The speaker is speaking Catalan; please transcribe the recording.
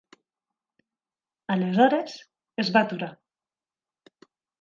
Aleshores, es va aturar.